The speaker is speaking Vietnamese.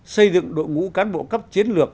xây dựng đội ngũ cán bộ cấp chiến lược